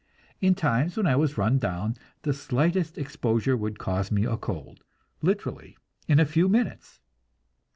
In times when I was run down, the slightest exposure would cause me a cold, literally in a few minutes.